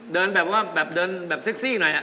เดินแบบว่าแบบเดินแบบเซ็กซี่หน่อย